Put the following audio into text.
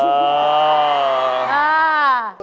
อ้าว